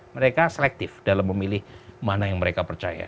mereka selektif dalam memilih mana yang mereka percaya